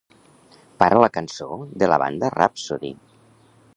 Para la cançó de la banda Rhapsody.